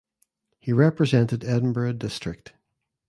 He represented Edinburgh District.